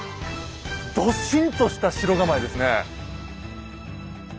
ドシンとした城構えですね。